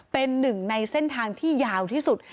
เป็นหนึ่งในเส้นทางที่ยาวที่สุด